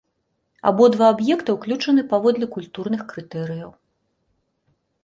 Абодва аб'екта ўключаны паводле культурных крытэрыяў.